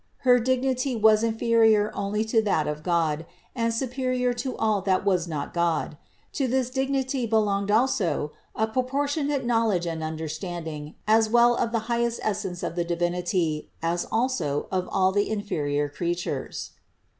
Her dignity was inferior only to that of God and supe rior to all that was not God ; to this dignity belonged also a proportionate knowledge and understanding, as well of the highest essence of the Divinity, as also of all the inferior creatures.